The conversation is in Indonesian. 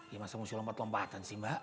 ya masa musim lompat lompatan sih mbak